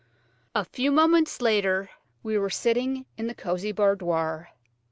A few moments later we were sitting in the cosy boudoir.